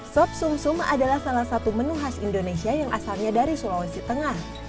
sop sum sum adalah salah satu menu khas indonesia yang asalnya dari sulawesi tengah